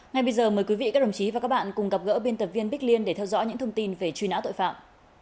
ngay bây giờ mời quý vị các đồng chí và các bạn cùng gặp gỡ biên tập viên bích liên để theo dõi những thông tin về truy nã tội phạm